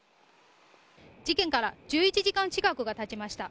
事件から１１時間近くが経ちました。